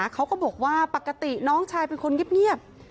เขาก็บอกว่าปกติน้องชายเป็นคนเงียบ